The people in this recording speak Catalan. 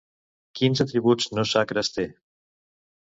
Quins atributs no sacres té?